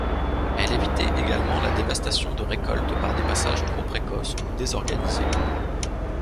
Elle évitait également la dévastation de récoltes par des passages trop précoces ou désorganisés.